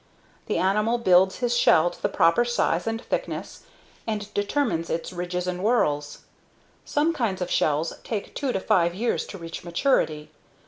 The animal builds his shell to the proper size and thickness and determines its ridges and whorls. Some kinds of shells take two to five years to reach maturity.